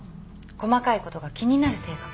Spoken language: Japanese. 細かいことが気になる性格。